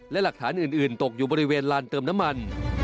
และหลักฐานอื่นตกอยู่บริเวณลานเติมน้ำมัน